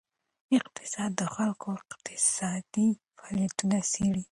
اقتصاد د خلکو اقتصادي فعالیتونه څیړي.